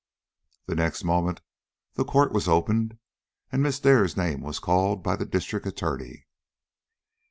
The next moment the court was opened and Miss Dare's name was called by the District Attorney.